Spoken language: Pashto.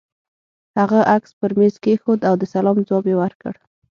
هغه عکس پر مېز کېښود او د سلام ځواب يې ورکړ.